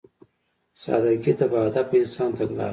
سادهګي د باهدفه انسان تګلاره ده.